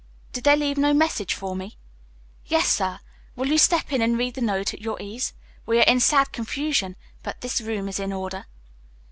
"Did they leave no message for me?" "Yes, sir. Will you step in and read the note at your ease. We are in sad confusion, but this room is in order."